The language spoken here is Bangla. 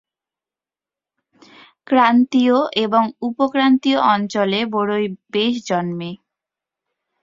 ক্রান্তীয় এবং উপক্রান্তীয় অঞ্চলে বরই বেশ জন্মে।